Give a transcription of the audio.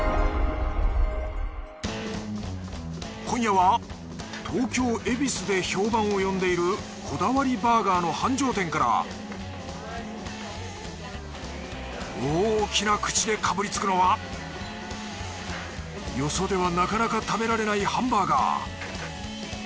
今夜は東京恵比寿で評判を呼んでいるこだわりバーガーの繁盛店から大きな口でかぶりつくのはよそではなかなか食べられないハンバーガー。